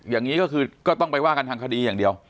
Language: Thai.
อย่างนี้ก็คือก็ต้องไปว่ากันทางคดีอย่างเดียว